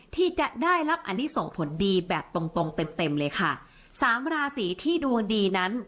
ที่จะได้รับอันนี้ส่งผลดีแบบตรงตรงเต็มเต็มเลยค่ะสามราศีที่ดวงดีนั้น